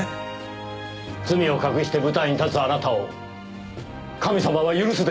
罪を隠して舞台に立つあなたを神様が許すでしょうか？